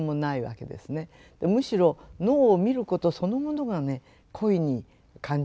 むしろ能を見ることそのものがね恋に感じられる。